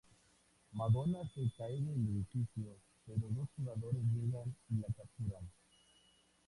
Madonna se cae del edificio, pero dos jugadores llegan y la capturan.